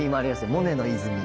モネの泉。